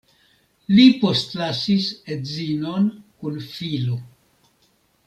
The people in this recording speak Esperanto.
Li postlasis edzinon kun filo.